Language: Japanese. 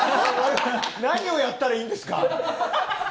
何をやったらいいんですか。